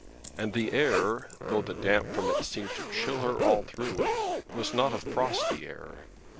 And the air, though the damp from it seemed to chill her all through, was not a frosty air.